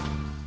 ya udah dut